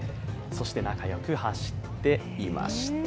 そして仲良く走っていました。